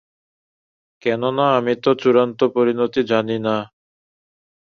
কেননা আমি তো চূড়ান্ত পরিণতি জানি না।